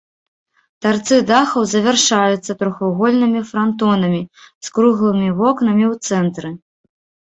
Тарцы дахаў завяршаюцца трохвугольнымі франтонамі з круглымі вокнамі ў цэнтры.